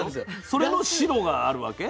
それの白があるわけ？